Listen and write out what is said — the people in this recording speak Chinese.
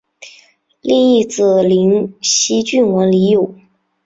另一子灵溪郡王李咏。